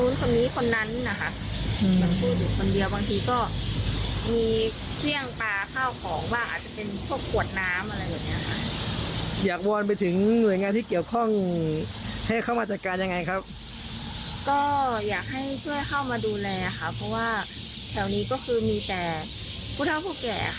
เราก็อยากให้ช่วยเข้ามาดูแลแถวเนี่ยมีแต่ผู้ช่วยแต่ผู้แข่